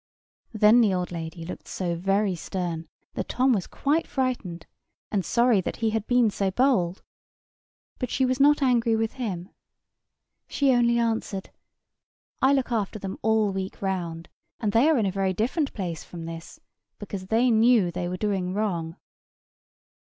Then the old lady looked so very stern that Tom was quite frightened, and sorry that he had been so bold. But she was not angry with him. She only answered, "I look after them all the week round; and they are in a very different place from this, because they knew that they were doing wrong."